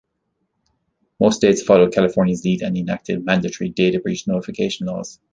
Most states followed California's lead and enacted mandatory data breach notification laws.